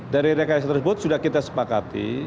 dari rekayasa tersebut sudah kita sepakati